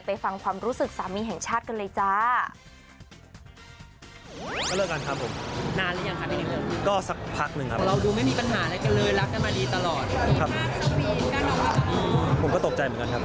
ฟังความรู้สึกสามีแห่งชาติกันเลยจ้า